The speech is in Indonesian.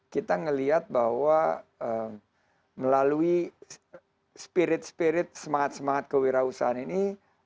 kita melihat bahwa melalui spirit spirit semangat semangat kewirausahaan ini